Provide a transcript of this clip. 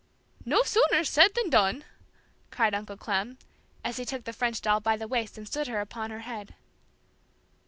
"No sooner said than done!" cried Uncle Clem, as he took the French doll by the waist and stood her upon her head.